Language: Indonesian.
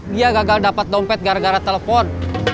dia gagal dapat dompet gara gara telepon